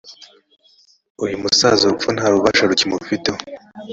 uyumusaza urupfu nta bubasha rukimufiteho